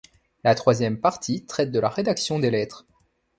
La troisième partie traite de la rédaction des lettres.